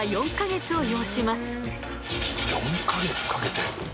４ヵ月かけて。